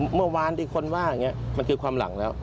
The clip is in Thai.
เมื่อวานที่คนว่าอย่างนี้มันคือความหลังแล้ว